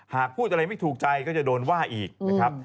หากพูดอะไรไม่ถูกใจก็จะโดนว่าอีกนะครับ